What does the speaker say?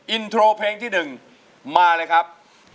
อินโทรเพลงที่๑มาเลยครับ